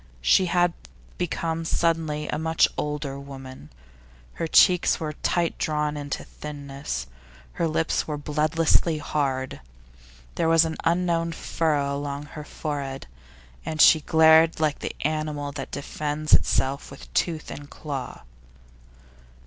She had become suddenly a much older woman; her cheeks were tight drawn into thinness, her lips were bloodlessly hard, there was an unknown furrow along her forehead, and she glared like the animal that defends itself with tooth and claw.